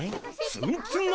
ツンツン頭！